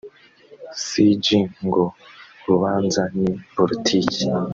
cg ngo urubanza ni politiki